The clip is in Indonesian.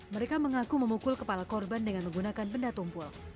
mereka mengaku memukul kepala korban dengan menggunakan benda tumpul